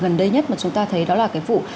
gần đây nhất mà chúng ta thấy đó là cái vụ